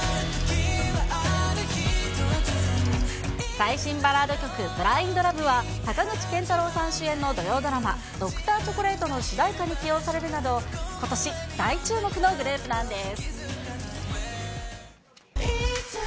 最新バラード曲、ＢｌｉｎｄＬｏｖｅは、坂口健太郎さん主演の土曜ドラマ、ドクターチョコレートの主題歌に起用されるなど、ことし大注目のグループなんです。